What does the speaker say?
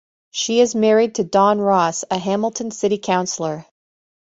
She is married to Don Ross, a Hamilton city councillor.